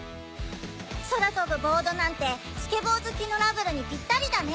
空飛ぶボードなんてスケボー好きのラブルにピッタリだね！